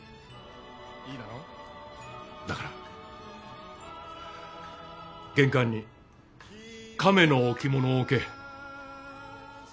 だから玄関に亀の置物を置け。